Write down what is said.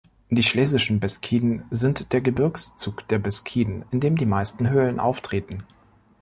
Die Schlesischen Beskiden sind der Gebirgszug der Beskiden, in dem die meisten Höhlen auftreten.